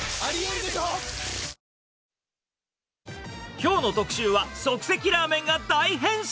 きょうの特集は、即席ラーメンが大変身。